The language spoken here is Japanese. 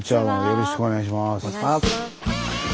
よろしくお願いします。